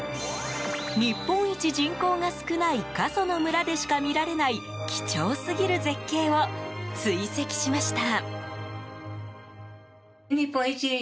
日本一人口が少ない過疎の村でしか見られない貴重すぎる絶景を追跡しました。